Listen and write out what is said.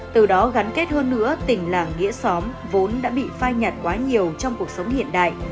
từ đó gắn kết hơn nữa tình làng nghĩa xóm vốn đã bị phai nhạt quá nhiều trong cuộc sống hiện đại